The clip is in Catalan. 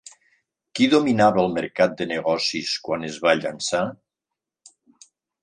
Qui dominava el mercat de negocis quan es va llançar?